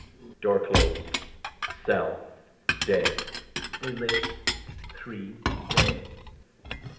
Door closed. Cell. Day. They list. Three. They.